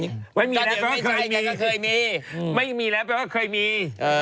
นี่เด็กแล้วตอนไหนนะนี่